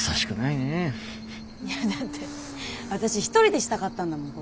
いやだって私一人でしたかったんだもん